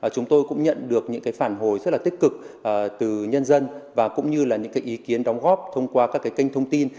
chúng tôi cũng nhận được những phản hồi rất là tích cực từ nhân dân và cũng như là những ý kiến đóng góp thông qua các kênh thông tin